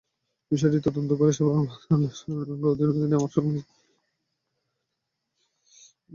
বিষয়টি তদন্ত শেষে পেট্রোবাংলা ইতিমধ্যেই প্রতিষ্ঠানটির বিরুদ্ধে ব্যবস্থা নেওয়ারও সুপারিশ করেছে।